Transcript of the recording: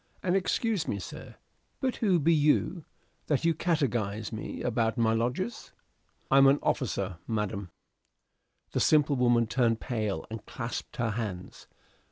And excuse me, sir, but who be you, that do catechise me to about my lodgers?" "I am an officer, madam." The simple woman turned pale, and clasped her hands.